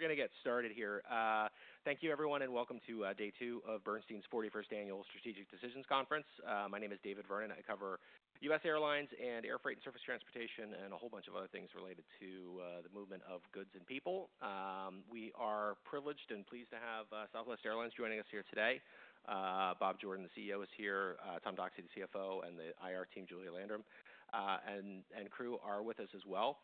We're gonna get started here. Thank you, everyone, and welcome to day two of Bernstein's 41st Annual Strategic Decisions Conference. My name is David Vernon. I cover U.S. airlines and air freight and surface transportation and a whole bunch of other things related to the movement of goods and people. We are privileged and pleased to have Southwest Airlines joining us here today. Bob Jordan, the CEO, is here. Tom Doxey, the CFO, and the IR team, Julia Landrum, and crew are with us as well.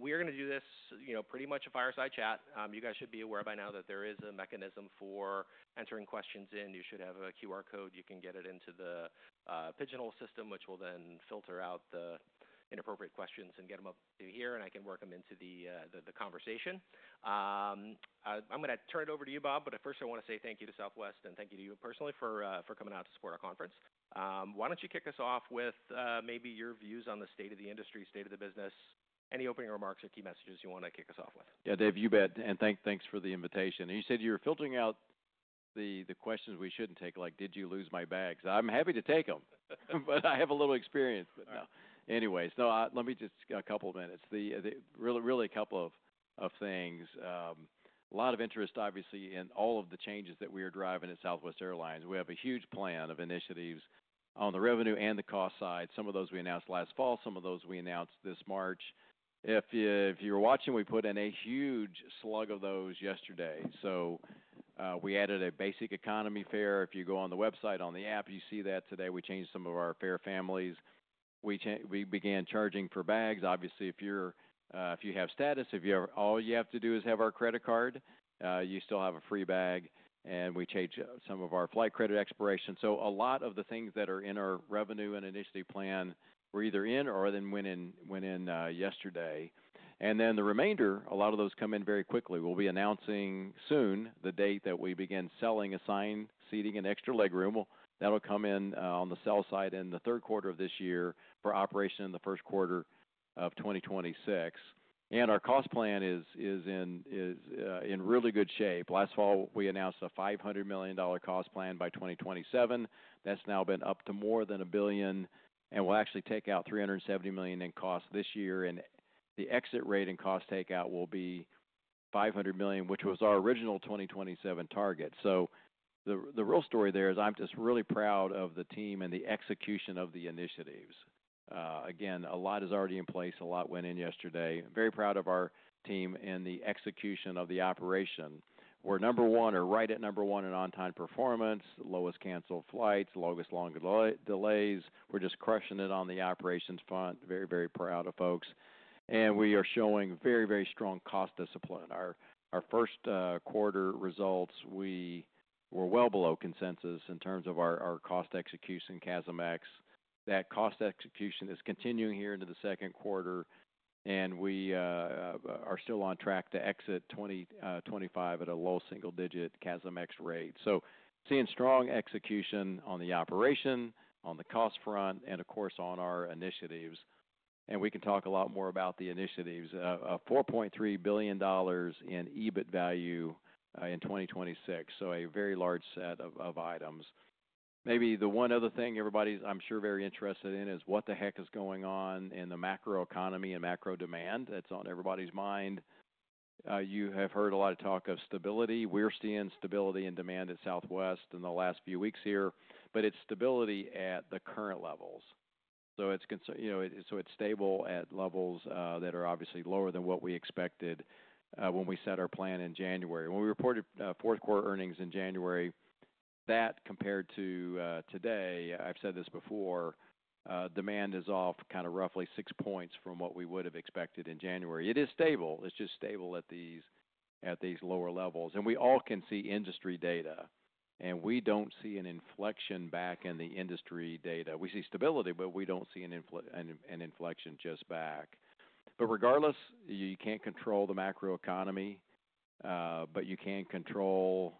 We are gonna do this, you know, pretty much a fireside chat. You guys should be aware by now that there is a mechanism for entering questions in. You should have a QR code. You can get it into the pigeonhole system, which will then filter out the inappropriate questions and get them up to here, and I can work them into the conversation. I'm gonna turn it over to you, Bob, but first I wanna say thank you to Southwest and thank you to you personally for coming out to support our conference. Why don't you kick us off with maybe your views on the state of the industry, state of the business, any opening remarks or key messages you wanna kick us off with? Yeah, Dave, you bet. And thanks for the invitation. You said you were filtering out the questions we shouldn't take, like, "Did you lose my bags?" I'm happy to take them, but I have a little experience, but no. Anyways, let me just a couple of minutes. Really, a couple of things. A lot of interest, obviously, in all of the changes that we are driving at Southwest Airlines. We have a huge plan of initiatives on the revenue and the cost side. Some of those we announced last fall. Some of those we announced this March. If you're watching, we put in a huge slug of those yesterday. We added a basic economy fare. If you go on the website, on the app, you see that today we changed some of our fare families. We began charging for bags. Obviously, if you have status, if you have all you have to do is have our credit card, you still have a free bag. We changed some of our flight credit expiration. A lot of the things that are in our revenue and initiative plan were either in or then went in yesterday. The remainder, a lot of those come in very quickly. We will be announcing soon the date that we begin selling assigned seating and extra legroom. That will come in on the sell side in the third quarter of this year for operation in the first quarter of 2026. Our cost plan is in really good shape. Last fall, we announced a $500 million cost plan by 2027. That's now been up to more than a billion, and we'll actually take out $370 million in cost this year. The exit rate in cost takeout will be $500 million, which was our original 2027 target. The real story there is I'm just really proud of the team and the execution of the initiatives. Again, a lot is already in place. A lot went in yesterday. Very proud of our team and the execution of the operation. We're number one or right at number one in on-time performance, lowest canceled flights, longest long delays. We're just crushing it on the operations front. Very, very proud of folks. We are showing very, very strong cost discipline. Our first quarter results, we were well below consensus in terms of our cost execution and CASM-X. That cost execution is continuing here into the second quarter, and we are still on track to exit 2025 at a low single-digit CASM-X rate. Seeing strong execution on the operation, on the cost front, and of course on our initiatives. We can talk a lot more about the initiatives. $4.3 billion in EBIT value in 2026. A very large set of items. Maybe the one other thing everybody is, I am sure, very interested in is what the heck is going on in the macro economy and macro demand that is on everybody's mind. You have heard a lot of talk of stability. We are seeing stability in demand at Southwest in the last few weeks here, but it is stability at the current levels. It's cons, you know, it's stable at levels that are obviously lower than what we expected when we set our plan in January. When we reported fourth quarter earnings in January, that compared to today, I've said this before, demand is off kinda roughly six points from what we would've expected in January. It is stable. It's just stable at these lower levels. We all can see industry data, and we don't see an inflection back in the industry data. We see stability, but we don't see an inflection just back. Regardless, you can't control the macro economy, but you can control,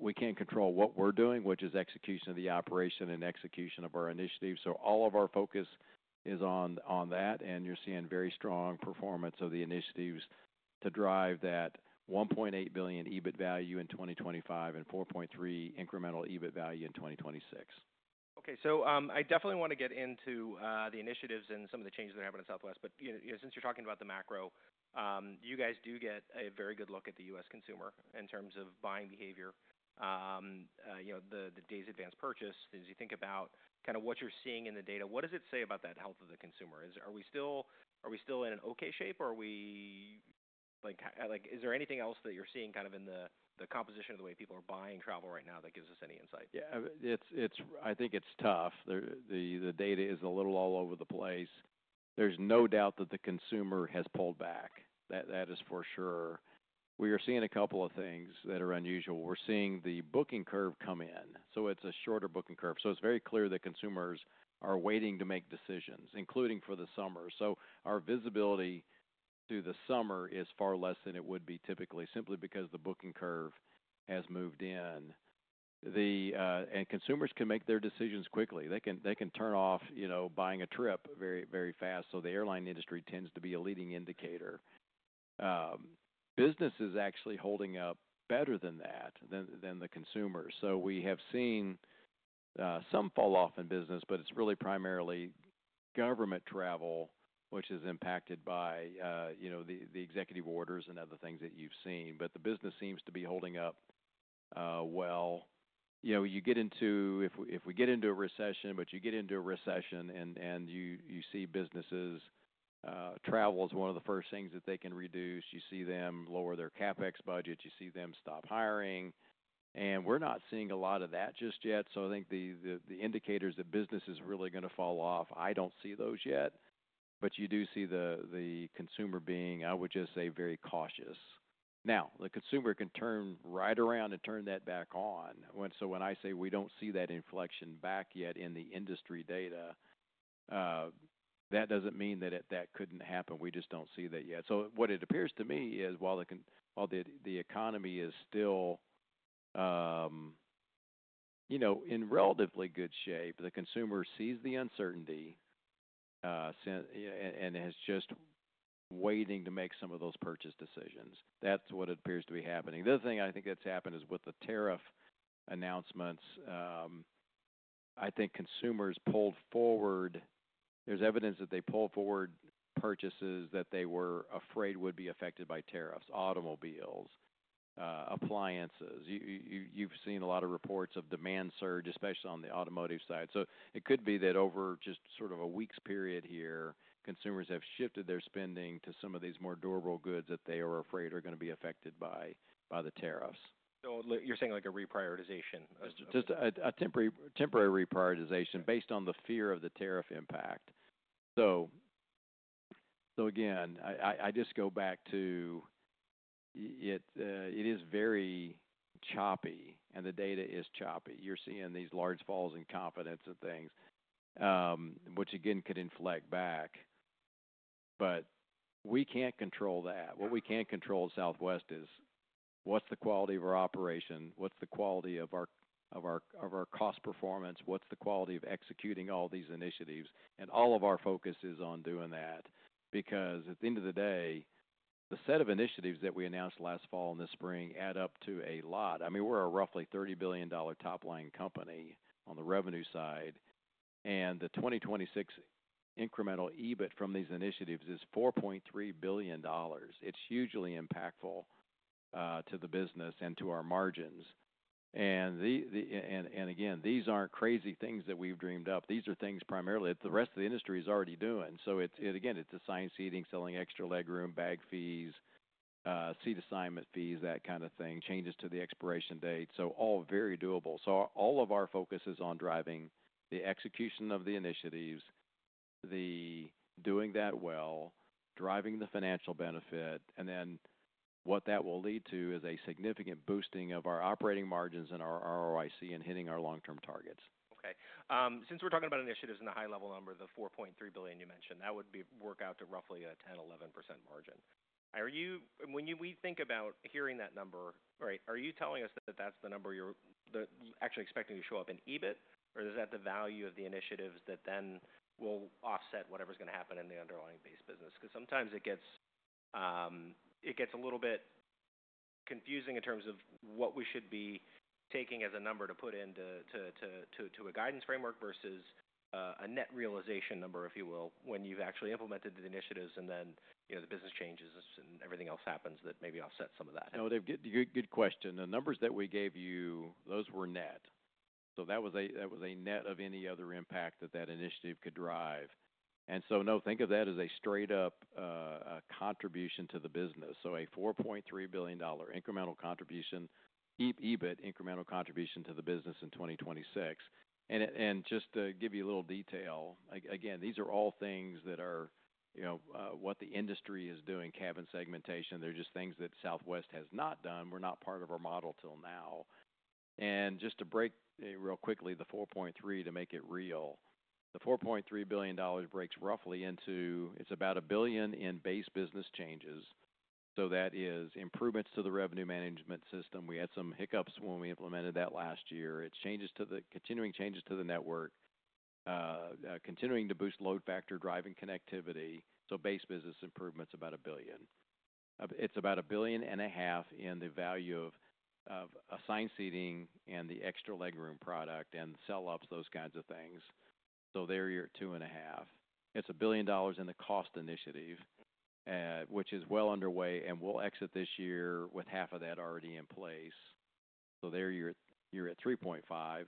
we can control what we're doing, which is execution of the operation and execution of our initiatives. All of our focus is on, on that, and you're seeing very strong performance of the initiatives to drive that $1.8 billion EBIT value in 2025 and $4.3 billion incremental EBIT value in 2026. Okay. I definitely wanna get into the initiatives and some of the changes that are happening at Southwest. But, you know, since you're talking about the macro, you guys do get a very good look at the U.S. consumer in terms of buying behavior. You know, the days advance purchase, as you think about kinda what you're seeing in the data, what does it say about that health of the consumer? Are we still in an okay shape, or are we, like, is there anything else that you're seeing kind of in the composition of the way people are buying travel right now that gives us any insight? Yeah. It's, it's, I think it's tough. The data is a little all over the place. There's no doubt that the consumer has pulled back. That is for sure. We are seeing a couple of things that are unusual. We're seeing the booking curve come in. It's a shorter booking curve. It's very clear that consumers are waiting to make decisions, including for the summer. Our visibility through the summer is far less than it would be typically, simply because the booking curve has moved in. Consumers can make their decisions quickly. They can turn off, you know, buying a trip very, very fast. The airline industry tends to be a leading indicator. Business is actually holding up better than the consumers. We have seen some fall off in business, but it's really primarily government travel, which is impacted by, you know, the executive orders and other things that you've seen. The business seems to be holding up well. You know, if we get into a recession, you see business travel is one of the first things that they can reduce. You see them lower their CapEx budgets. You see them stop hiring. We're not seeing a lot of that just yet. I think the indicators that business is really gonna fall off, I don't see those yet. You do see the consumer being, I would just say, very cautious. The consumer can turn right around and turn that back on. When I say we don't see that inflection back yet in the industry data, that doesn't mean that it couldn't happen. We just don't see that yet. What it appears to me is while the economy is still, you know, in relatively good shape, the consumer sees the uncertainty, and it has just been waiting to make some of those purchase decisions. That's what it appears to be happening. The other thing I think that's happened is with the tariff announcements, I think consumers pulled forward. There's evidence that they pulled forward purchases that they were afraid would be affected by tariffs: automobiles, appliances. You've seen a lot of reports of demand surge, especially on the automotive side. It could be that over just sort of a week's period here, consumers have shifted their spending to some of these more durable goods that they are afraid are gonna be affected by the tariffs. You're saying like a reprioritization of. Just a temporary reprioritization based on the fear of the tariff impact. Again, I just go back to why it is very choppy, and the data is choppy. You're seeing these large falls in confidence and things, which again could inflect back. We can't control that. What we can control at Southwest is what's the quality of our operation? What's the quality of our cost performance? What's the quality of executing all these initiatives? All of our focus is on doing that because at the end of the day, the set of initiatives that we announced last fall and this spring add up to a lot. I mean, we're a roughly $30 billion top-line company on the revenue side. The 2026 incremental EBIT from these initiatives is $4.3 billion. It's hugely impactful to the business and to our margins. And again, these aren't crazy things that we've dreamed up. These are things primarily that the rest of the industry is already doing. It again, it's assigned seating, selling extra leg room, bag fees, seat assignment fees, that kinda thing, changes to the expiration date. All very doable. All of our focus is on driving the execution of the initiatives, doing that well, driving the financial benefit. What that will lead to is a significant boosting of our operating margins and our ROIC and hitting our long-term targets. Okay. Since we're talking about initiatives and the high-level number, the $4.3 billion you mentioned, that would work out to roughly a 10-11% margin. Are you, when we think about hearing that number, right, are you telling us that that's the number you're actually expecting to show up in EBIT, or is that the value of the initiatives that then will offset whatever's gonna happen in the underlying base business? 'Cause sometimes it gets, it gets a little bit confusing in terms of what we should be taking as a number to put into, to a guidance framework versus a net realization number, if you will, when you've actually implemented the initiatives and then, you know, the business changes and everything else happens that maybe offsets some of that. No, good, good, good question. The numbers that we gave you, those were net. That was net of any other impact that that initiative could drive. No, think of that as a straight-up contribution to the business. A $4.3 billion incremental contribution, EBIT incremental contribution to the business in 2026. Just to give you a little detail, again, these are all things that are, you know, what the industry is doing, cabin segmentation. They are just things that Southwest has not done. They were not part of our model till now. Just to break real quickly the $4.3 billion to make it real, the $4.3 billion breaks roughly into about a billion in base business changes. That is improvements to the revenue management system. We had some hiccups when we implemented that last year. It's changes to the continuing changes to the network, continuing to boost load factor driving connectivity. So base business improvement's about $1 billion. It's about $1.5 billion in the value of, of assigned seating and the extra legroom product and sell ops, those kinds of things. So there you're at $2.5 billion. It's $1 billion in the cost initiative, which is well underway, and we'll exit this year with half of that already in place. So there you're, you're at $3.5 billion.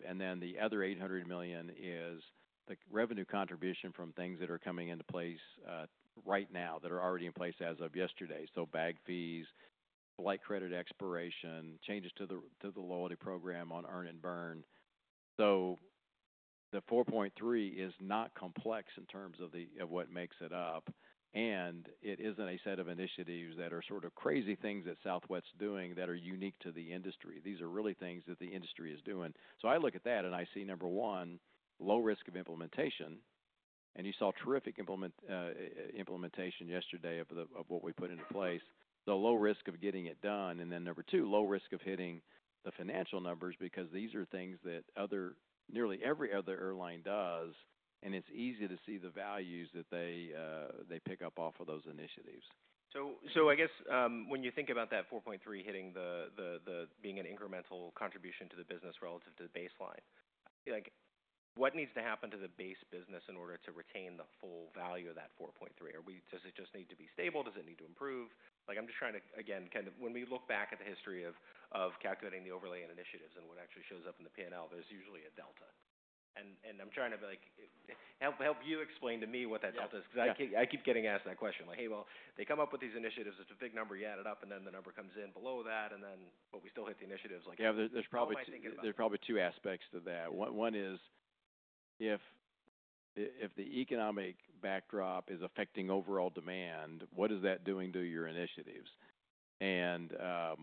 And then the other $800 million is the revenue contribution from things that are coming into place, right now that are already in place as of yesterday. So bag fees, flight credit expiration, changes to the, to the loyalty program on earn and burn. So the $4.3 billion is not complex in terms of the, of what makes it up. It isn't a set of initiatives that are sort of crazy things that Southwest's doing that are unique to the industry. These are really things that the industry is doing. I look at that and I see, number one, low risk of implementation. You saw terrific implementation yesterday of what we put into place. Low risk of getting it done. Number two, low risk of hitting the financial numbers because these are things that nearly every other airline does, and it's easy to see the values that they pick up off of those initiatives. I guess, when you think about that $4.3 billion hitting the, the being an incremental contribution to the business relative to the baseline, like, what needs to happen to the base business in order to retain the full value of that $4.3 billion? Are we, does it just need to be stable? Does it need to improve? Like, I'm just trying to, again, kind of when we look back at the history of, of calculating the overlay and initiatives and what actually shows up in the P&L, there's usually a delta. I'm trying to, like, help you explain to me what that delta is. Yeah. 'Cause I keep getting asked that question. Like, hey, they come up with these initiatives. It's a big number. You add it up, and then the number comes in below that, but we still hit the initiatives. Like. Yeah. There's probably. What do I think about? There's probably two aspects to that. One is if the economic backdrop is affecting overall demand, what is that doing to your initiatives? The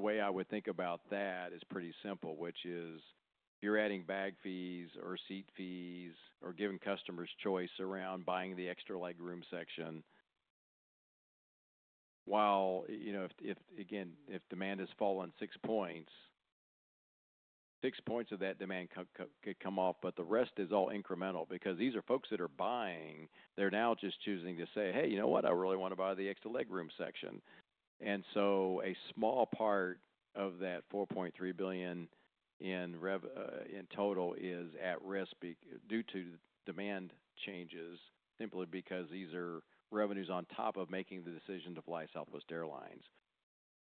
way I would think about that is pretty simple, which is if you're adding bag fees or seat fees or giving customers choice around buying the extra legroom section, while, you know, if demand has fallen six points, six points of that demand could come off, but the rest is all incremental because these are folks that are buying. They're now just choosing to say, "Hey, you know what? I really wanna buy the extra legroom section." A small part of that $4.3 billion in revenue in total is at risk due to demand changes simply because these are revenues on top of making the decision to fly Southwest Airlines.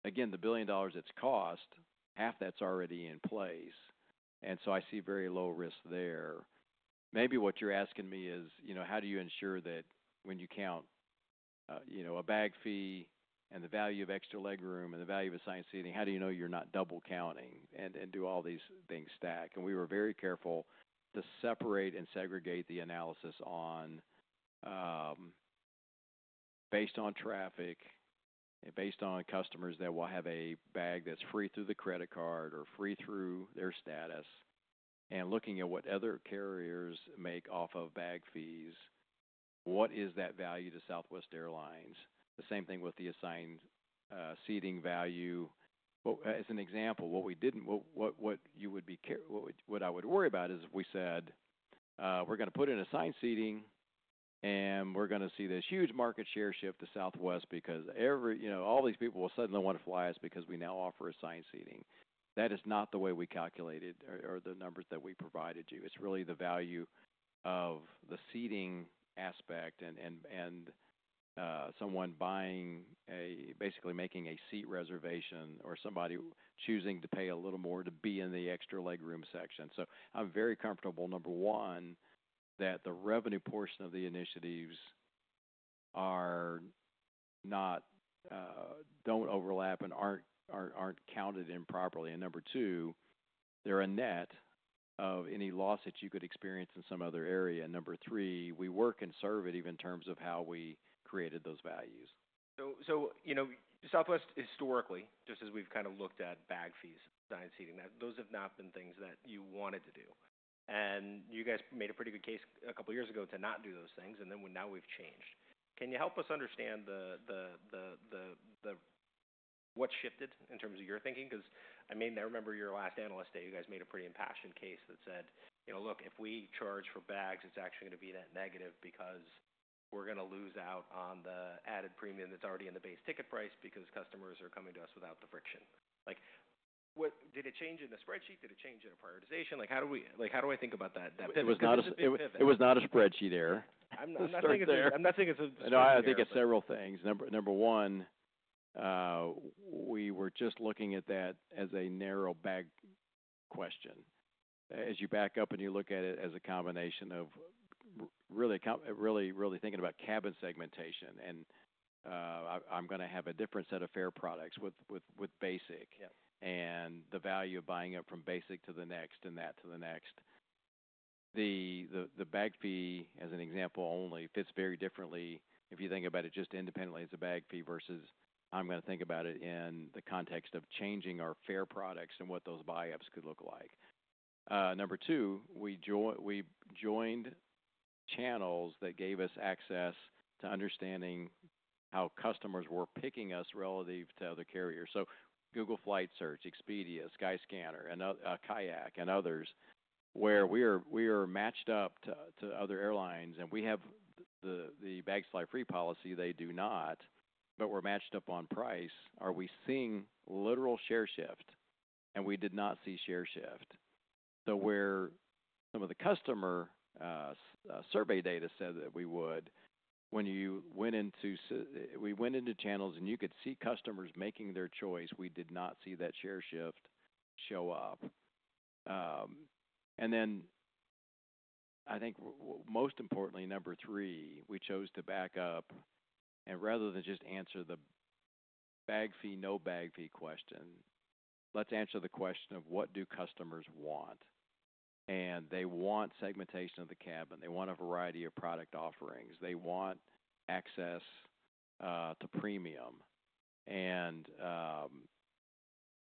Again, the billion dollars it's cost, half that's already in place. I see very low risk there. Maybe what you're asking me is, you know, how do you ensure that when you count, you know, a bag fee and the value of extra leg room and the value of assigned seating, how do you know you're not double counting and do all these things stack? We were very careful to separate and segregate the analysis based on traffic and based on customers that will have a bag that's free through the credit card or free through their status and looking at what other carriers make off of bag fees. What is that value to Southwest Airlines? The same thing with the assigned seating value. As an example, what you would be careful, what I would worry about is if we said, we're gonna put in assigned seating and we're gonna see this huge market share shift to Southwest because every, you know, all these people will suddenly wanna fly us because we now offer assigned seating. That is not the way we calculated or the numbers that we provided you. It's really the value of the seating aspect and someone buying a, basically making a seat reservation or somebody choosing to pay a little more to be in the extra leg room section. I'm very comfortable, number one, that the revenue portion of the initiatives are not, don't overlap and aren't counted improperly. Number two, they're a net of any loss that you could experience in some other area. Number three, we work and serve it even in terms of how we created those values. You know, Southwest historically, just as we've kinda looked at bag fees, assigned seating, those have not been things that you wanted to do. You guys made a pretty good case a couple years ago to not do those things. Now we've changed. Can you help us understand what shifted in terms of your thinking? I mean, I remember your last analyst day. You guys made a pretty impassioned case that said, you know, "Look, if we charge for bags, it's actually gonna be that negative because we're gonna lose out on the added premium that's already in the base ticket price because customers are coming to us without the friction." What did it change in the spreadsheet? Did it change in a prioritization? Like, how do we, like, how do I think about that, that pivot? It was not a spreadsheet error. I'm not saying it's a. No, I think it's several things. Number one, we were just looking at that as a narrow bag question. As you back up and you look at it as a combination of really, really thinking about cabin segmentation and, I'm gonna have a different set of fare products with basic. Yeah. The value of buying up from basic to the next and that to the next. The bag fee as an example only fits very differently if you think about it just independently as a bag fee versus I'm gonna think about it in the context of changing our fare products and what those buy-ups could look like. Number two, we joined channels that gave us access to understanding how customers were picking us relative to other carriers. So Google Flig ht Search, Expedia, Skyscanner, Kayak, and others where we are matched up to other airlines and we have the bag flight free policy. They do not, but we're matched up on price. Are we seeing literal share shift? We did not see share shift. Where some of the customer survey data said that we would, when you went into, as we went into channels and you could see customers making their choice, we did not see that share shift show up. I think most importantly, number three, we chose to back up and rather than just answer the bag fee, no bag fee question, let's answer the question of what do customers want? They want segmentation of the cabin. They want a variety of product offerings. They want access to premium.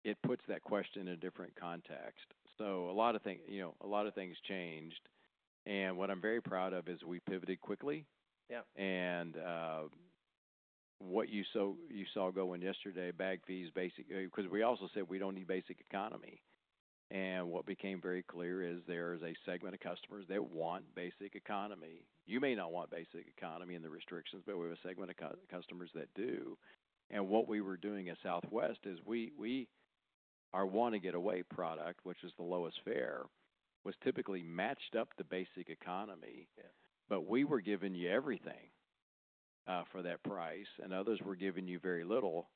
It puts that question in a different context. A lot of things, you know, a lot of things changed. What I'm very proud of is we pivoted quickly. Yeah. What you saw, you saw going yesterday, bag fees basically 'cause we also said we don't need basic economy. What became very clear is there is a segment of customers that want basic economy. You may not want basic economy and the restrictions, but we have a segment of customers that do. What we were doing at Southwest is our Wanna Get Away product, which is the lowest fare, was typically matched up to basic economy. Yeah. We were giving you everything for that price, and others were giving you very little.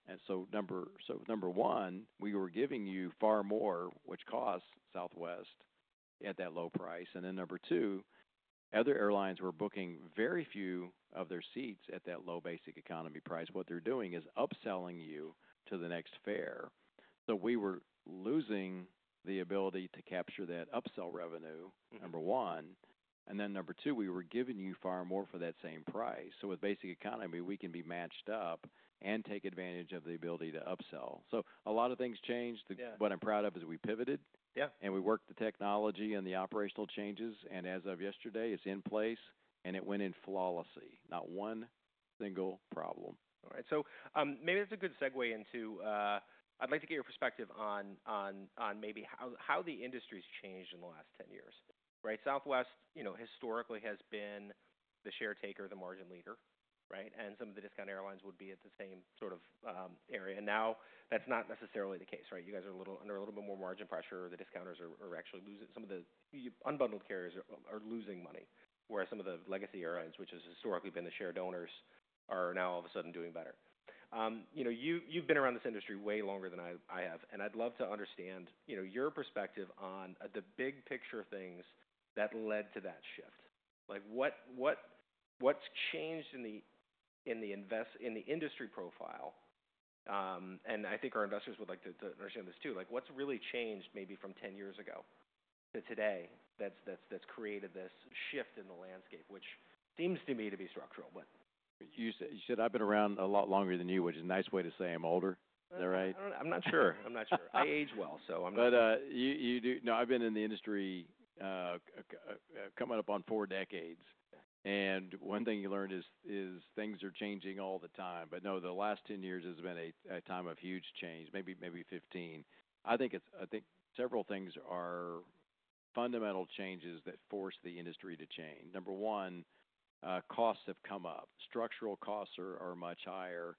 Number one, we were giving you far more, which costs Southwest at that low price. Number two, other airlines were booking very few of their seats at that low basic economy price. What they are doing is upselling you to the next fare. We were losing the ability to capture that upsell revenue. Mm-hmm. Number one. And then number two, we were giving you far more for that same price. So with basic economy, we can be matched up and take advantage of the ability to upsell. So a lot of things changed. Yeah. What I'm proud of is we pivoted. Yeah. We worked the technology and the operational changes. As of yesterday, it's in place and it went in flawlessly. Not one single problem. All right. Maybe that's a good segue into, I'd like to get your perspective on, on maybe how the industry's changed in the last 10 years, right? Southwest, you know, historically has been the share taker, the margin leader, right? And some of the discount airlines would be at the same sort of area. Now that's not necessarily the case, right? You guys are a little under a little bit more margin pressure. The discounters are actually losing, some of the unbundled carriers are losing money, whereas some of the legacy airlines, which have historically been the share owners, are now all of a sudden doing better. You know, you've been around this industry way longer than I have. And I'd love to understand, you know, your perspective on the big picture things that led to that shift. Like, what, what's changed in the industry profile? I think our investors would like to understand this too. Like, what's really changed maybe from 10 years ago to today that's created this shift in the landscape, which seems to me to be structural. You said, you said I've been around a lot longer than you, which is a nice way to say I'm older. Is that right? I don't know. I'm not sure. I age well, so I'm not. You know, I've been in the industry, coming up on four decades. Yeah. One thing you learned is, is things are changing all the time. The last 10 years has been a, a time of huge change, maybe, maybe 15. I think it's, I think several things are fundamental changes that force the industry to change. Number one, costs have come up. Structural costs are, are much higher.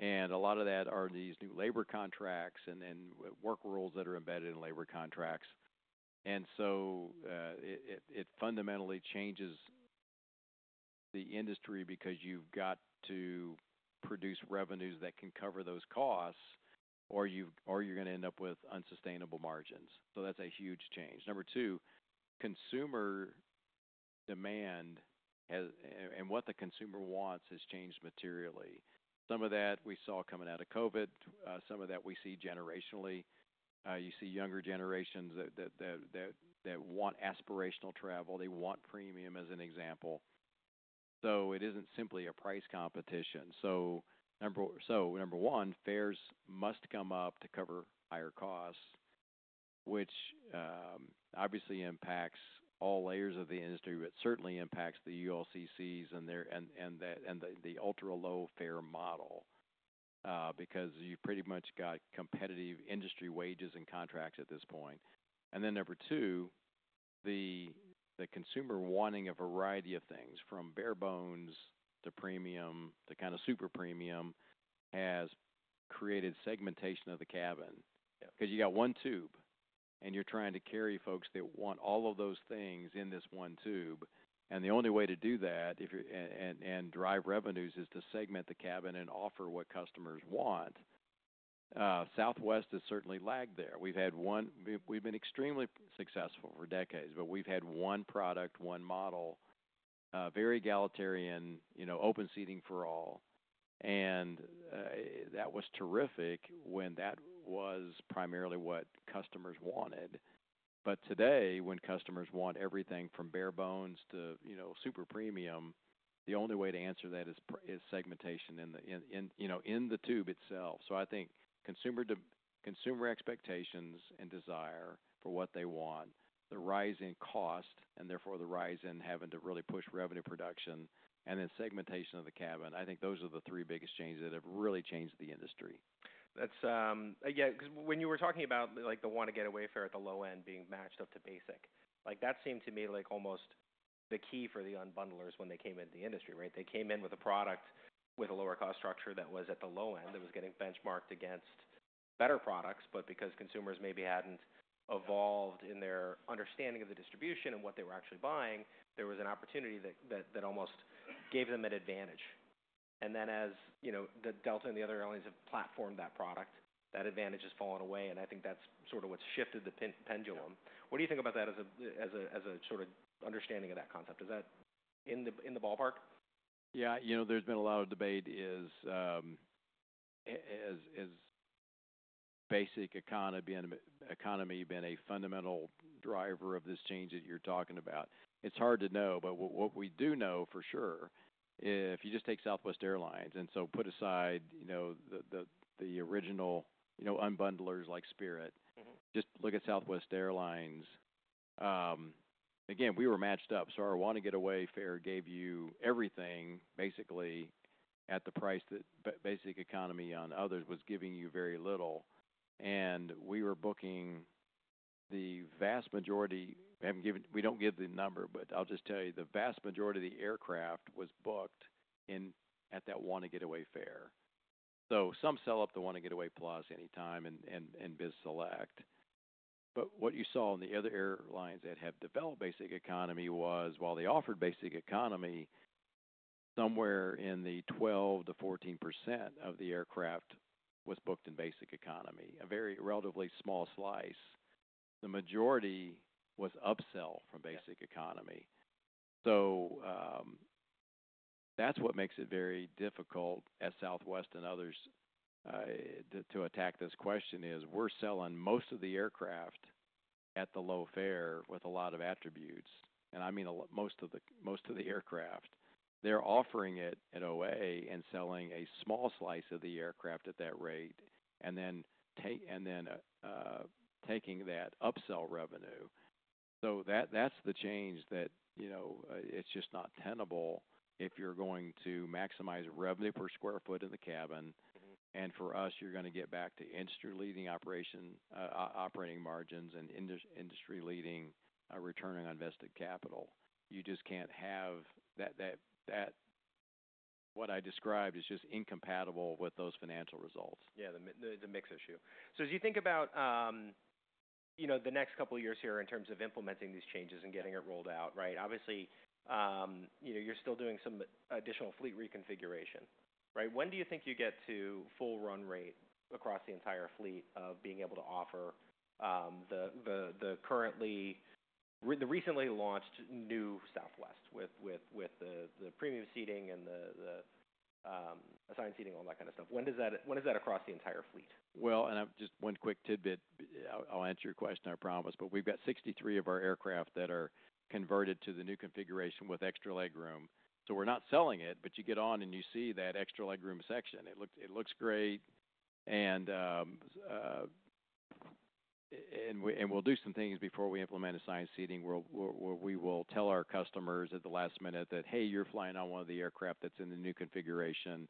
A lot of that are these new labor contracts and, and work rules that are embedded in labor contracts. It, it, it fundamentally changes the industry because you've got to produce revenues that can cover those costs or you've, or you're gonna end up with unsustainable margins. That's a huge change. Number two, consumer demand has, and what the consumer wants has changed materially. Some of that we saw coming out of COVID. Some of that we see generationally. You see younger generations that want aspirational travel. They want premium as an example. It isn't simply a price competition. Number one, fares must come up to cover higher costs, which obviously impacts all layers of the industry, but certainly impacts the ULCCs and the ultra low fare model, because you've pretty much got competitive industry wages and contracts at this point. Number two, the consumer wanting a variety of things from bare bones to premium to kinda super premium has created segmentation of the cabin. Yeah. 'Cause you got one tube and you're trying to carry folks that want all of those things in this one tube. The only way to do that and drive revenues is to segment the cabin and offer what customers want. Southwest has certainly lagged there. We've been extremely successful for decades, but we've had one product, one model, very egalitarian, you know, open seating for all. That was terrific when that was primarily what customers wanted. Today, when customers want everything from bare bones to, you know, super premium, the only way to answer that is segmentation in the, you know, in the tube itself. I think consumer expectations and desire for what they want, the rise in cost, and therefore the rise in having to really push revenue production, and then segmentation of the cabin, I think those are the three biggest changes that have really changed the industry. That's, yeah, 'cause when you were talking about, like, the Wanna Get Away fare at the low end being matched up to basic, like, that seemed to me like almost the key for the unbundlers when they came into the industry, right? They came in with a product with a lower cost structure that was at the low end that was getting benchmarked against better products. Because consumers maybe hadn't evolved in their understanding of the distribution and what they were actually buying, there was an opportunity that almost gave them an advantage. As, you know, Delta and the other airlines have platformed that product, that advantage has fallen away. I think that's sort of what's shifted the pendulum. What do you think about that as a sort of understanding of that concept? Is that in the ballpark? Yeah. You know, there's been a lot of debate, as basic economy and economy been a fundamental driver of this change that you're talking about? It's hard to know, but what we do know for sure, if you just take Southwest Airlines and so put aside, you know, the original, you know, unbundlers like Spirit. Mm-hmm. Just look at Southwest Airlines. Again, we were matched up. Our Wanna Get Away fare gave you everything basically at the price that basic economy on others was giving you very little. We were booking the vast majority, I have not given, we do not give the number, but I will just tell you the vast majority of the aircraft was booked in at that Wanna Get Away fare. Some sell up to the Wanna Get Away Plus, Anytime, and Business Select. What you saw in the other airlines that have developed basic economy was while they offered basic economy, somewhere in the 12-14% of the aircraft was booked in basic economy, a very relatively small slice. The majority was upsell from basic economy. That's what makes it very difficult as Southwest and others to attack this question is we're selling most of the aircraft at the low fare with a lot of attributes. I mean, most of the aircraft, they're offering it at away and selling a small slice of the aircraft at that rate and then taking that upsell revenue. That's the change that, you know, it's just not tenable if you're going to maximize revenue per square foot in the cabin. Mm-hmm. For us, you're gonna get back to industry-leading operating margins and industry-leading return on invested capital. You just can't have that, that, what I described is just incompatible with those financial results. Yeah. The mix issue. As you think about, you know, the next couple of years here in terms of implementing these changes and getting it rolled out, right? Obviously, you know, you're still doing some additional fleet reconfiguration, right? When do you think you get to full run rate across the entire fleet of being able to offer the currently, the recently launched new Southwest with the premium seating and the assigned seating, all that kinda stuff? When is that across the entire fleet? I am just one quick tidbit. I'll answer your question, I promise. We have 63 of our aircraft that are converted to the new configuration with extra leg room. We are not selling it, but you get on and you see that extra leg room section. It looks great. We will do some things before we implement assigned seating. We will tell our customers at the last minute that, "Hey, you are flying on one of the aircraft that is in the new configuration."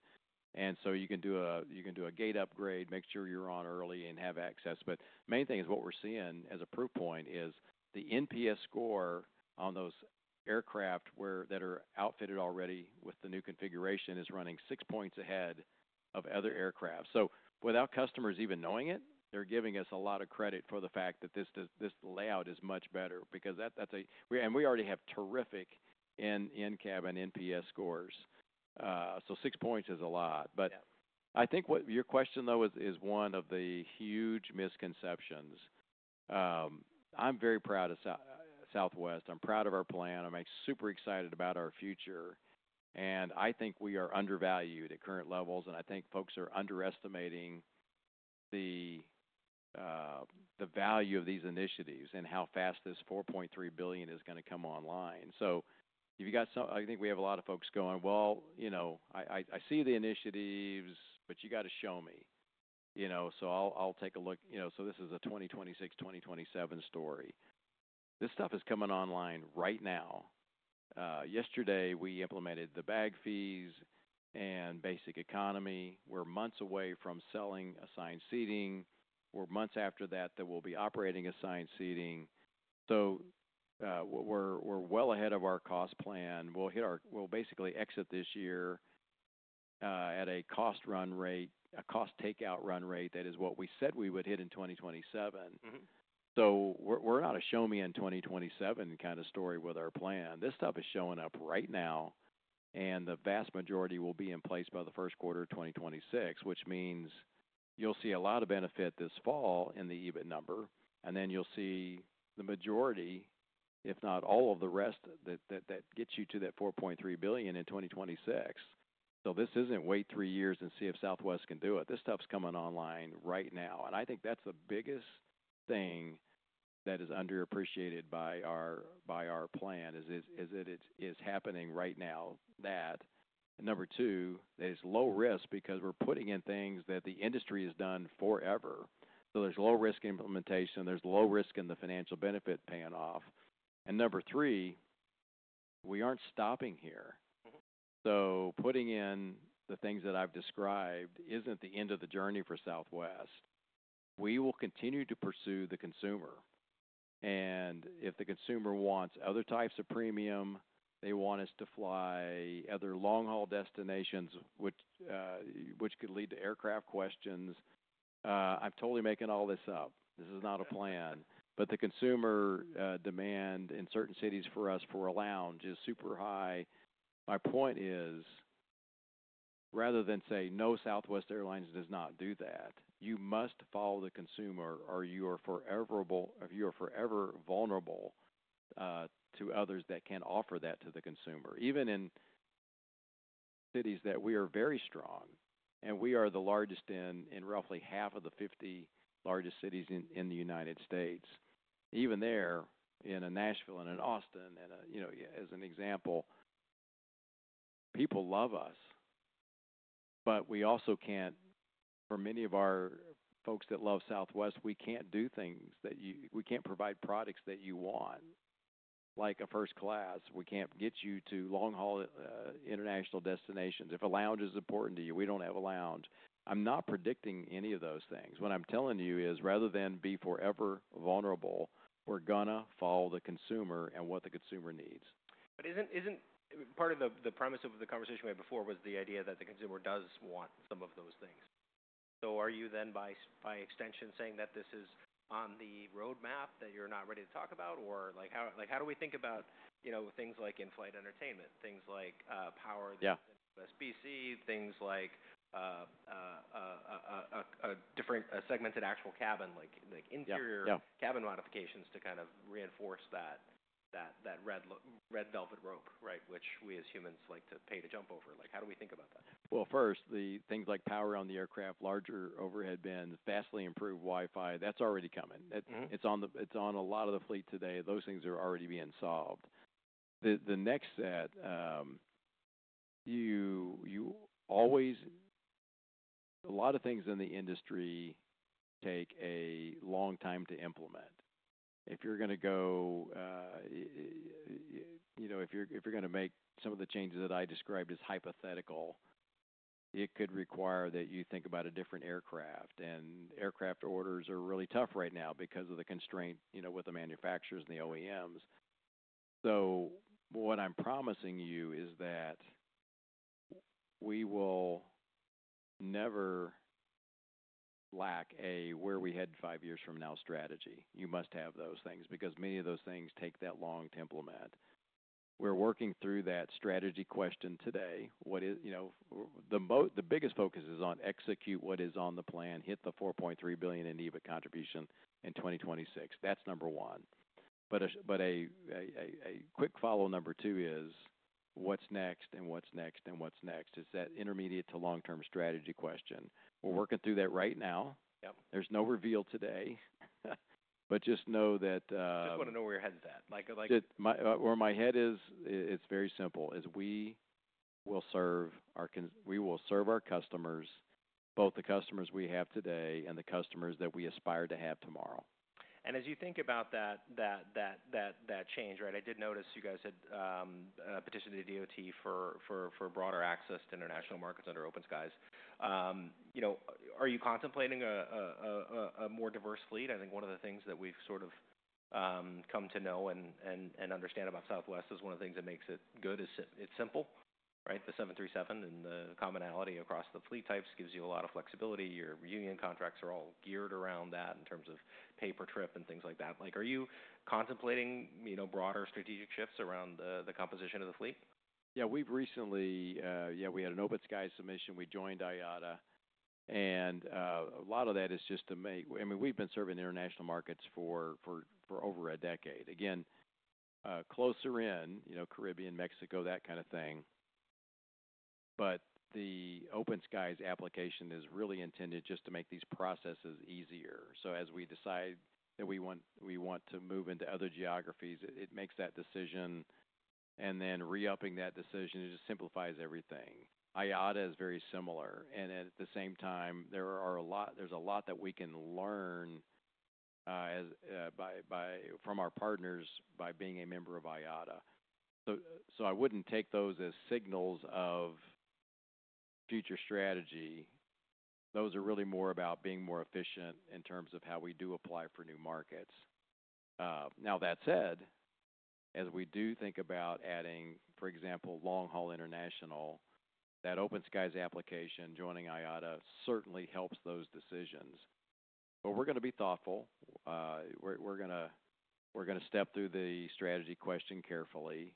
You can do a gate upgrade, make sure you are on early and have access. The main thing is what we are seeing as a proof point is the NPS score on those aircraft that are outfitted already with the new configuration is running six points ahead of other aircraft. Without customers even knowing it, they're giving us a lot of credit for the fact that this layout is much better because we already have terrific in-cabin NPS scores. Six points is a lot. Yeah. I think what your question though is, is one of the huge misconceptions. I'm very proud of Southwest. I'm proud of our plan. I'm super excited about our future. I think we are undervalued at current levels. I think folks are underestimating the value of these initiatives and how fast this $4.3 billion is gonna come online. I think we have a lot of folks going, "Well, you know, I see the initiatives, but you gotta show me." You know? I'll take a look. You know, this is a 2026-2027 story. This stuff is coming online right now. Yesterday we implemented the bag fees and basic economy. We're months away from selling assigned seating. We're months after that that we'll be operating assigned seating. We're well ahead of our cost plan. We'll basically exit this year at a cost run rate, a cost takeout run rate that is what we said we would hit in 2027. Mm-hmm. We're not a show me in 2027 kinda story with our plan. This stuff is showing up right now. The vast majority will be in place by the first quarter of 2026, which means you'll see a lot of benefit this fall in the EBIT number. You'll see the majority, if not all of the rest, that gets you to that $4.3 billion in 2026. This isn't wait three years and see if Southwest can do it. This stuff's coming online right now. I think that's the biggest thing that is underappreciated by our plan, that it's happening right now. Number two, that it's low risk because we're putting in things that the industry has done forever. There's low risk implementation. There's low risk in the financial benefit paying off. Number three, we aren't stopping here. Mm-hmm. Putting in the things that I've described isn't the end of the journey for Southwest. We will continue to pursue the consumer. If the consumer wants other types of premium, they want us to fly other long-haul destinations, which could lead to aircraft questions. I'm totally making all this up. This is not a plan. The consumer demand in certain cities for us for a lounge is super high. My point is, rather than say, "No, Southwest Airlines does not do that," you must follow the consumer or you are forever vulnerable to others that can offer that to the consumer. Even in cities that we are very strong and we are the largest in, in roughly half of the 50 largest cities in the United States. Even there in a Nashville and an Austin and a, you know, as an example, people love us. We also can't, for many of our folks that love Southwest, we can't do things that you, we can't provide products that you want, like a first class. We can't get you to long-haul, international destinations. If a lounge is important to you, we don't have a lounge. I'm not predicting any of those things. What I'm telling you is rather than be forever vulnerable, we're gonna follow the consumer and what the consumer needs. Isn't part of the premise of the conversation we had before was the idea that the consumer does want some of those things? Are you then by extension saying that this is on the roadmap that you're not ready to talk about? Or, like, how do we think about, you know, things like in-flight entertainment, things like power? Yeah. SBC, things like a different, a segmented actual cabin, like interior. Yeah. Cabin modifications to kind of reinforce that red velvet rope, right? Which we as humans like to pay to jump over. Like, how do we think about that? First, the things like power on the aircraft, larger overhead bin, vastly improved Wi-Fi, that's already coming. Mm-hmm. It's on a lot of the fleet today. Those things are already being solved. The next set, you know, a lot of things in the industry take a long time to implement. If you're gonna go, you know, if you're gonna make some of the changes that I described as hypothetical, it could require that you think about a different aircraft. And aircraft orders are really tough right now because of the constraint, you know, with the manufacturers and the OEMs. What I'm promising you is that we will never lack a where we head five years from now strategy. You must have those things because many of those things take that long to implement. We're working through that strategy question today. What is, you know, the biggest focus is on execute what is on the plan, hit the $4.3 billion in EBIT contribution in 2026. That's number one. A quick follow number two is what's next and what's next and what's next is that intermediate to long-term strategy question. We're working through that right now. Yep. There's no reveal today. Just know that, Just wanna know where your head's at. Like. Just my, where my head is, it's very simple, is we will serve our customers, both the customers we have today and the customers that we aspire to have tomorrow. As you think about that change, right? I did notice you guys had petitioned the DOT for broader access to international markets under open skies. You know, are you contemplating a more diverse fleet? I think one of the things that we've sort of come to know and understand about Southwest is one of the things that makes it good is it's simple, right? The 737 and the commonality across the fleet types gives you a lot of flexibility. Your union contracts are all geared around that in terms of pay per trip and things like that. Like, are you contemplating, you know, broader strategic shifts around the composition of the fleet? Yeah. We've recently, yeah, we had an open skies submission. We joined IATA. A lot of that is just to make, I mean, we've been serving international markets for over a decade. Again, closer in, you know, Caribbean, Mexico, that kind of thing. The open skies application is really intended just to make these processes easier. As we decide that we want to move into other geographies, it makes that decision and then re-upping that decision, it just simplifies everything. IATA is very similar. At the same time, there is a lot that we can learn from our partners by being a member of IATA. I wouldn't take those as signals of future strategy. Those are really more about being more efficient in terms of how we do apply for new markets. Now, that said, as we do think about adding, for example, long-haul international, that open skies application joining IATA certainly helps those decisions. But we're gonna be thoughtful. We're gonna step through the strategy question carefully.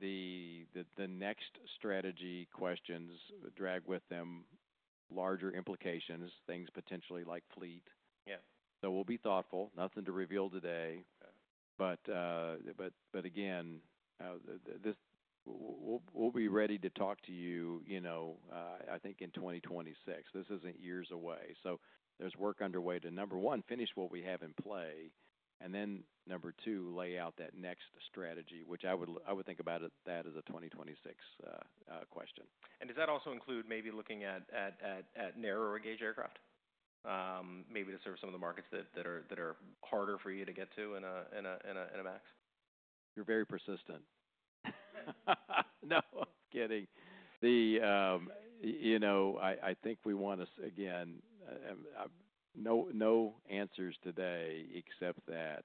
The next strategy questions drag with them larger implications, things potentially like fleet. Yeah. We'll be thoughtful. Nothing to reveal today. Okay. Again, this, we'll be ready to talk to you, you know, I think in 2026. This isn't years away. So there's work underway to, number one, finish what we have in play. And then number two, lay out that next strategy, which I would, I would think about that as a 2026 question. Does that also include maybe looking at narrower gauge aircraft, maybe to serve some of the markets that are harder for you to get to in a MAX? You're very persistent. No. Kidding. You know, I think we want to, again, no answers today except that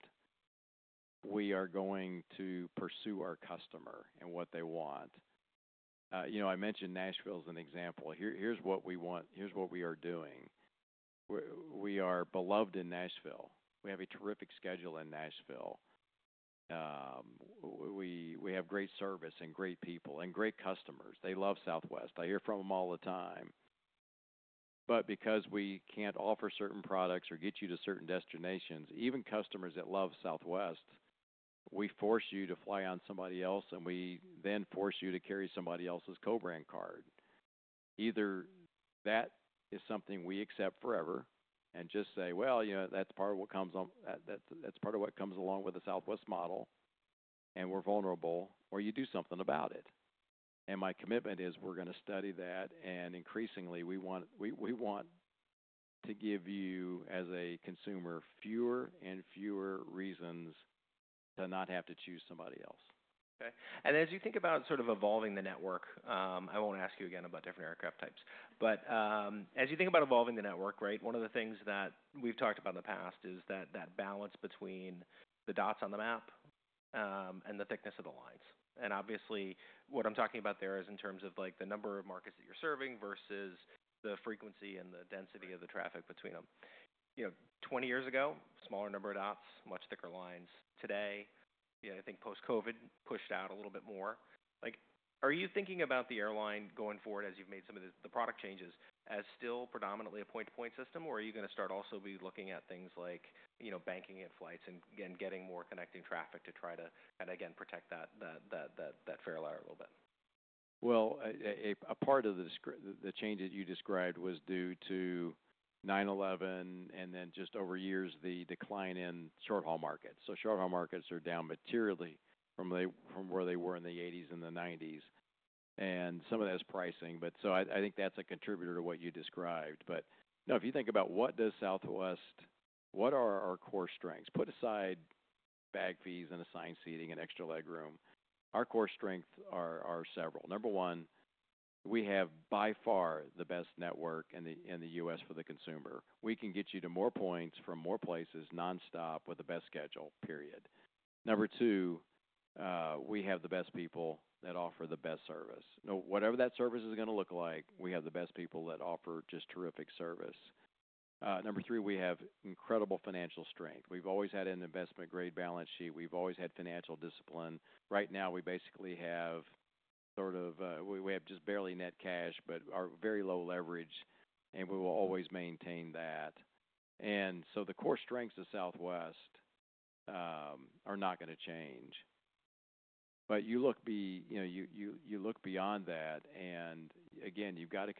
we are going to pursue our customer and what they want. You know, I mentioned Nashville as an example. Here is what we want. Here is what we are doing. We are beloved in Nashville. We have a terrific schedule in Nashville. We have great service and great people and great customers. They love Southwest. I hear from them all the time. Because we cannot offer certain products or get you to certain destinations, even customers that love Southwest, we force you to fly on somebody else and we then force you to carry somebody else's co-brand card. Either that is something we accept forever and just say, "You know, that is part of what comes on that, that is part of what comes along with the Southwest model." We're vulnerable, or you do something about it. My commitment is we're gonna study that. Increasingly, we want to give you as a consumer fewer and fewer reasons to not have to choose somebody else. Okay. As you think about sort of evolving the network, I will not ask you again about different aircraft types. As you think about evolving the network, one of the things that we have talked about in the past is that balance between the dots on the map and the thickness of the lines. Obviously, what I am talking about there is in terms of the number of markets that you are serving versus the frequency and the density of the traffic between them. You know, 20 years ago, smaller number of dots, much thicker lines. Today, I think post-COVID pushed out a little bit more. Are you thinking about the airline going forward as you have made some of the product changes as still predominantly a point-to-point system? Are you gonna start also be looking at things like, you know, banking at flights and getting more connecting traffic to try to kind of, again, protect that fair ladder a little bit? A part of the changes you described was due to 9/11 and then just over years the decline in short-haul markets. Short-haul markets are down materially from where they were in the 1980s and the 1990s. Some of that is pricing. I think that's a contributor to what you described. You know, if you think about what does Southwest, what are our core strengths? Put aside bag fees and assigned seating and extra leg room. Our core strengths are several. Number one, we have by far the best network in the U.S. for the consumer. We can get you to more points from more places nonstop with the best schedule, period. Number two, we have the best people that offer the best service. Now, whatever that service is gonna look like, we have the best people that offer just terrific service. Number three, we have incredible financial strength. We've always had an investment-grade balance sheet. We've always had financial discipline. Right now, we basically have just barely net cash but are very low leverage. We will always maintain that. The core strengths of Southwest are not gonna change. You look beyond that, and again, you've got to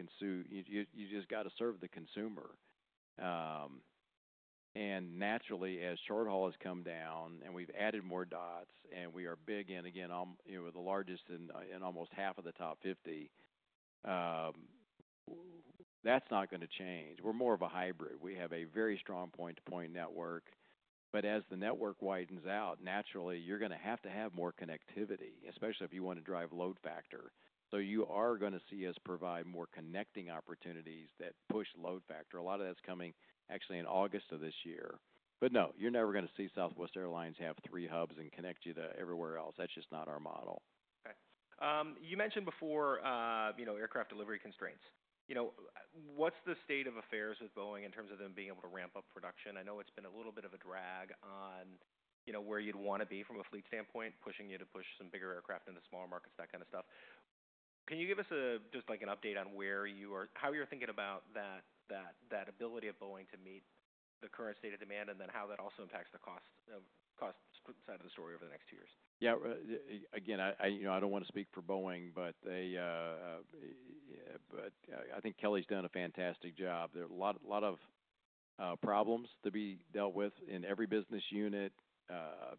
serve the consumer. Naturally, as short-haul has come down and we've added more dots and we are big in, again, almost the largest in almost half of the top 50, that's not gonna change. We're more of a hybrid. We have a very strong point-to-point network. As the network widens out, naturally, you're gonna have to have more connectivity, especially if you wanna drive load factor. You are gonna see us provide more connecting opportunities that push load factor. A lot of that's coming actually in August of this year. No, you're never gonna see Southwest Airlines have three hubs and connect you to everywhere else. That's just not our model. Okay. You mentioned before, you know, aircraft delivery constraints. You know, what's the state of affairs with Boeing in terms of them being able to ramp up production? I know it's been a little bit of a drag on, you know, where you'd wanna be from a fleet standpoint, pushing you to push some bigger aircraft into smaller markets, that kinda stuff. Can you give us just, like, an update on where you are, how you're thinking about that, that ability of Boeing to meet the current state of demand and then how that also impacts the cost side of the story over the next two years? Yeah. Again, I, I, you know, I don't wanna speak for Boeing, but they, but, I think Kelly's done a fantastic job. There are a lot, a lot of problems to be dealt with in every business unit,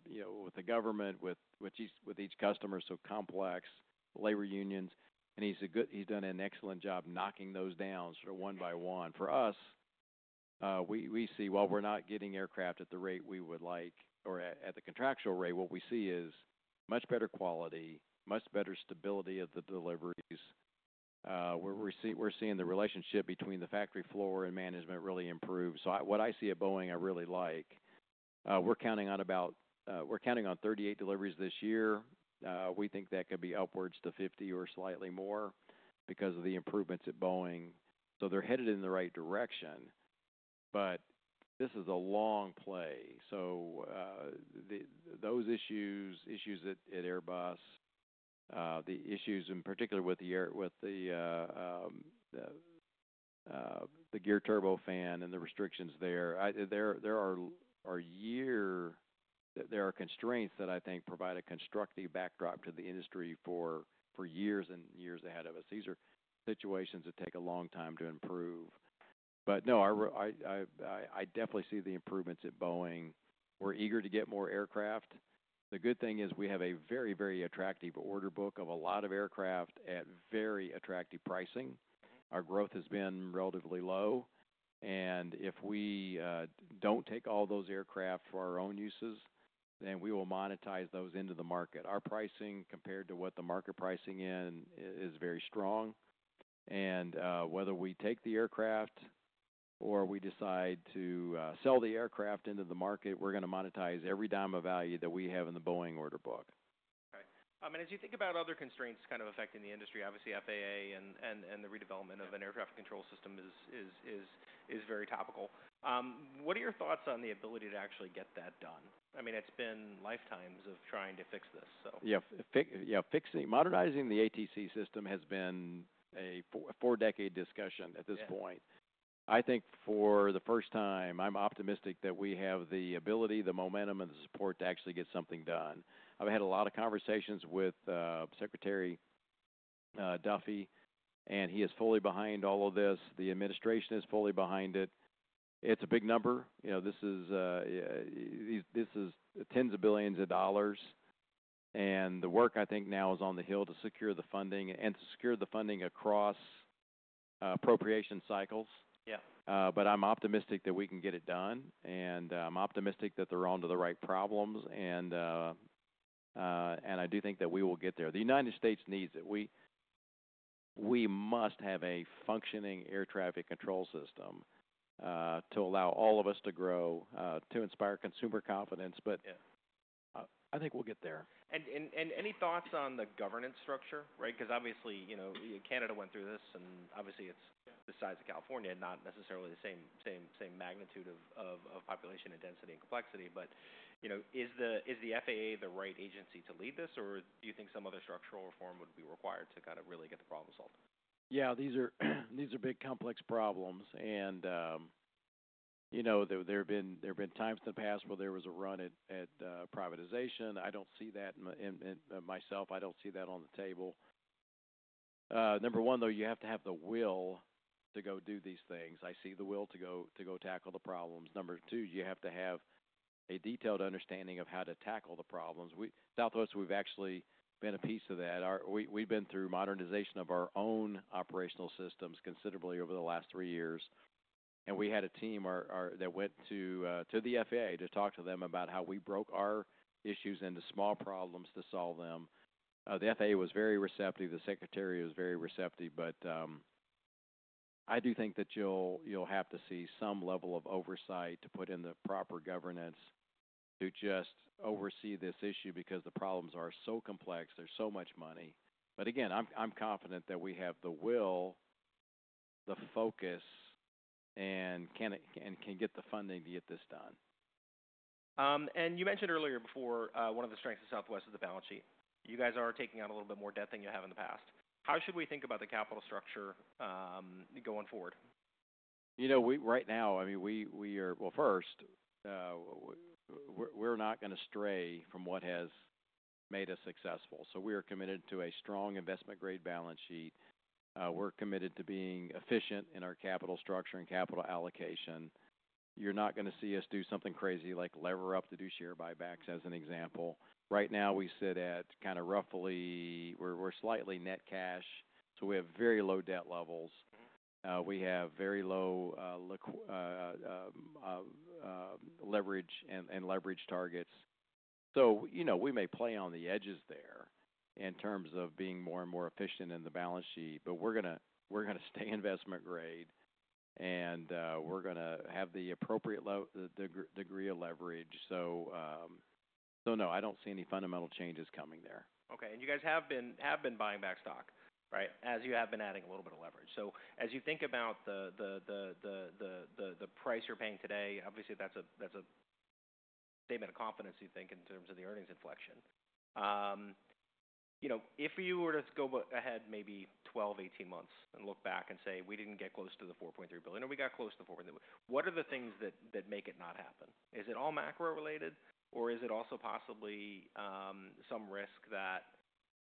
you know, with the government, with, with each customer, so complex, labor unions. And he's a good, he's done an excellent job knocking those down sort of one by one. For us, we, we see while we're not getting aircraft at the rate we would like or at the contractual rate, what we see is much better quality, much better stability of the deliveries. We're, we're seeing the relationship between the factory floor and management really improve. So I, what I see at Boeing, I really like. We're counting on about, we're counting on 38 deliveries this year. We think that could be upwards to 50 or slightly more because of the improvements at Boeing. They are headed in the right direction. This is a long play. Those issues, issues at Airbus, the issues in particular with the gear turbo fan and the restrictions there, there are constraints that I think provide a constructive backdrop to the industry for years and years ahead of us. These are situations that take a long time to improve. I definitely see the improvements at Boeing. We are eager to get more aircraft. The good thing is we have a very, very attractive order book of a lot of aircraft at very attractive pricing. Our growth has been relatively low. If we do not take all those aircraft for our own uses, then we will monetize those into the market. Our pricing compared to what the market pricing is is very strong. Whether we take the aircraft or we decide to sell the aircraft into the market, we are going to monetize every dime of value that we have in the Boeing order book. Okay. As you think about other constraints kind of affecting the industry, obviously FAA and the redevelopment of an aircraft control system is very topical. What are your thoughts on the ability to actually get that done? I mean, it's been lifetimes of trying to fix this. Yeah. Fixing, yeah, fixing, modernizing the ATC system has been a four, four-decade discussion at this point. Yeah. I think for the first time, I'm optimistic that we have the ability, the momentum, and the support to actually get something done. I've had a lot of conversations with Secretary Duffy, and he is fully behind all of this. The administration is fully behind it. It's a big number. You know, this is tens of billions of dollars. The work I think now is on the Hill to secure the funding and to secure the funding across appropriation cycles. Yeah. I'm optimistic that we can get it done. I'm optimistic that they're onto the right problems. I do think that we will get there. The United States needs it. We must have a functioning air traffic control system to allow all of us to grow, to inspire consumer confidence. I think we'll get there. Any thoughts on the governance structure, right? 'Cause obviously, you know, Canada went through this. Obviously, it's the size of California, not necessarily the same magnitude of population and density and complexity. But, you know, is the FAA the right agency to lead this? Or do you think some other structural reform would be required to kind of really get the problem solved? Yeah. These are big, complex problems. And, you know, there have been times in the past where there was a run at privatization. I do not see that in myself. I do not see that on the table. Number one, though, you have to have the will to go do these things. I see the will to go tackle the problems. Number two, you have to have a detailed understanding of how to tackle the problems. We at Southwest, we have actually been a piece of that. We have been through modernization of our own operational systems considerably over the last three years. And we had a team that went to the FAA to talk to them about how we broke our issues into small problems to solve them. The FAA was very receptive. The Secretary was very receptive. I do think that you'll have to see some level of oversight to put in the proper governance to just oversee this issue because the problems are so complex. There's so much money. Again, I'm confident that we have the will, the focus, and can get the funding to get this done. You mentioned earlier before, one of the strengths of Southwest is the balance sheet. You guys are taking on a little bit more debt than you have in the past. How should we think about the capital structure, going forward? You know, we right now, I mean, we are, well, first, we're not gonna stray from what has made us successful. So we are committed to a strong investment-grade balance sheet. We're committed to being efficient in our capital structure and capital allocation. You're not gonna see us do something crazy like lever up to do share buybacks as an example. Right now, we sit at kind of roughly, we're slightly net cash. So we have very low debt levels. Mm-hmm. We have very low leverage and leverage targets. You know, we may play on the edges there in terms of being more and more efficient in the balance sheet. We're gonna stay investment grade, and we're gonna have the appropriate degree of leverage. No, I don't see any fundamental changes coming there. Okay. You guys have been buying back stock, right, as you have been adding a little bit of leverage. As you think about the price you're paying today, obviously, that's a statement of confidence, you think, in terms of the earnings inflection. You know, if you were to go ahead maybe 12-18 months and look back and say, "We didn't get close to the $4.3 billion." Or, "We got close to the $4.3 billion." What are the things that make it not happen? Is it all macro-related? Or is it also possibly some risk that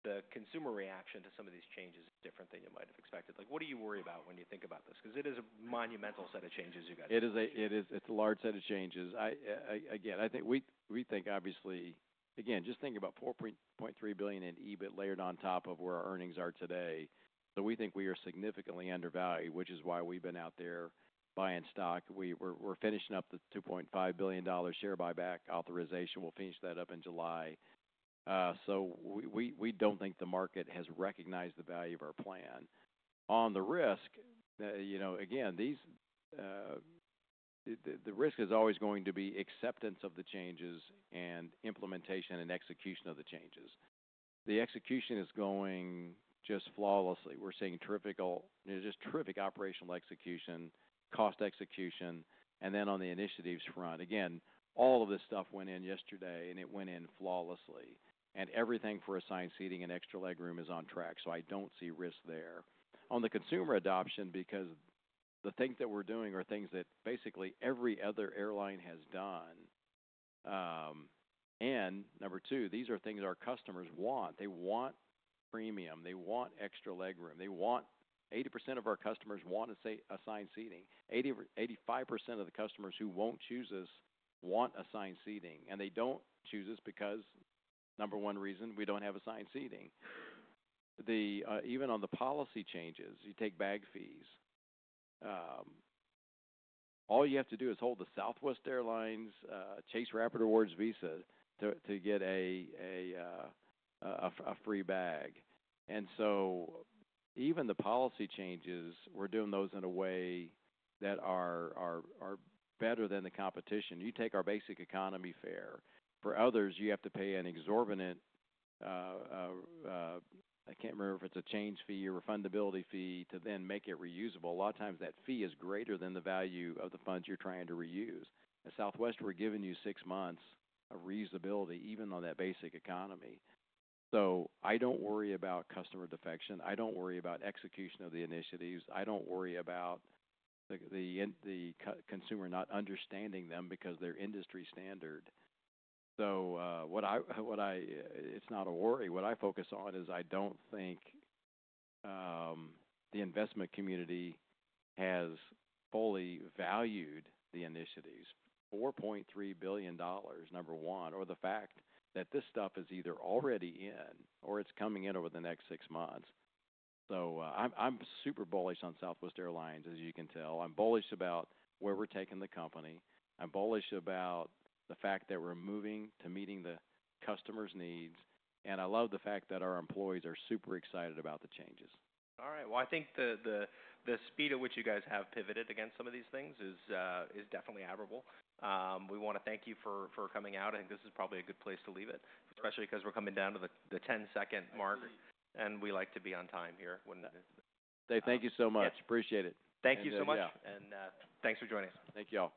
the consumer reaction to some of these changes is different than you might have expected? Like, what do you worry about when you think about this? 'Cause it is a monumental set of changes, you guys. It is a large set of changes. I, I again, I think we think obviously again, just think about $4.3 billion in EBIT layered on top of where our earnings are today. We think we are significantly undervalued, which is why we've been out there buying stock. We're finishing up the $2.5 billion share buyback authorization. We'll finish that up in July. We don't think the market has recognized the value of our plan. On the risk, you know, again, the risk is always going to be acceptance of the changes and implementation and execution of the changes. The execution is going just flawlessly. We're seeing terrific, you know, just terrific operational execution, cost execution. On the initiatives front, again, all of this stuff went in yesterday, and it went in flawlessly. Everything for assigned seating and extra leg room is on track. I do not see risk there. On the consumer adoption, because the things that we are doing are things that basically every other airline has done, and number two, these are things our customers want. They want premium. They want extra leg room. They want, 80% of our customers want assigned seating. 80%-85% of the customers who will not choose us want assigned seating. They do not choose us because, number one reason, we do not have assigned seating. Even on the policy changes, you take bag fees. All you have to do is hold the Southwest Airlines Chase Rapid Rewards Visa to get a free bag. Even the policy changes, we are doing those in a way that are better than the competition. You take our basic economy fare. For others, you have to pay an exorbitant, I can't remember if it's a change fee or refundability fee to then make it reusable. A lot of times, that fee is greater than the value of the funds you're trying to reuse. At Southwest, we're giving you six months of reusability even on that basic economy. I don't worry about customer defection. I don't worry about execution of the initiatives. I don't worry about the consumer not understanding them because they're industry standard. What I focus on is I don't think the investment community has fully valued the initiatives. $4.3 billion, number one, or the fact that this stuff is either already in or it's coming in over the next six months. I'm super bullish on Southwest Airlines, as you can tell. I'm bullish about where we're taking the company. I'm bullish about the fact that we're moving to meeting the customer's needs. I love the fact that our employees are super excited about the changes. All right. I think the speed at which you guys have pivoted against some of these things is definitely admirable. We want to thank you for coming out. I think this is probably a good place to leave it, especially because we're coming down to the 10-second mark. We like to be on time here when that is. Hey, thank you so much. Appreciate it. Thank you so much. Yeah. Thanks for joining us. Thank you all.